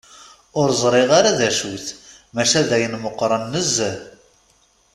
Ur ẓriɣ ara d acu-t, maca d ayen meqqren nezzeh.